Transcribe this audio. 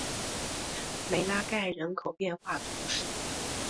梅拉盖人口变化图示